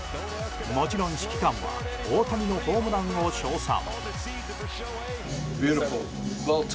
もちろん指揮官は大谷のホームランを称賛。